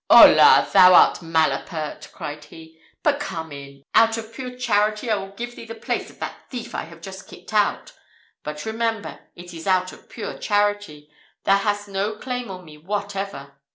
'Holla! thou art malapert,' cried he; 'but come in; out of pure charity I will give thee the place of that thief I have just kicked out. But remember, it is out of pure charity thou hast no claim on me whatever!